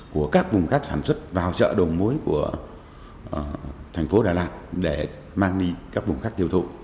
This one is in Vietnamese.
của các vùng khác sản xuất vào chợ đồng mối của thành phố đà lạt để mang đi các vùng khác tiêu thụ